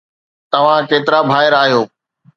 توهان ڪيترا ڀائر آهيو